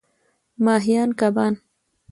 ماهیان √ کبان